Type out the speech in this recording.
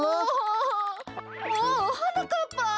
おおはなかっぱ。